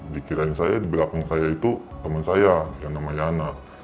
dikirain saya di belakang saya itu teman saya yang namanya anak